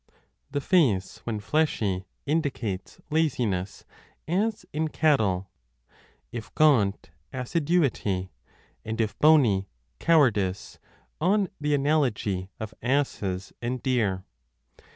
8" b PHYSIOGNOMONICA 5 The face, when fleshy, indicates laziness, as in cattle : if gaunt, assiduity, and if bony, 1 cowardice, on the analogy of asses and deer.